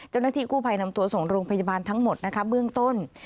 เจ้าหน้าที่กู้ภัยนำตัวส่งโรงพยาบาลทั้งหมดนะคะเบื้องต้น